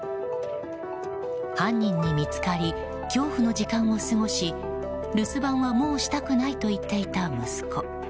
犯人に見つかり恐怖の時間を過ごし留守番はもうしたくないと言っていた息子。